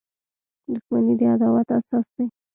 • دښمني د عداوت اساس دی.